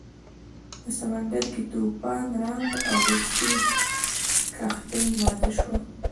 په سمندر کې طوفان راغی او د سید کښتۍ ماته شوه.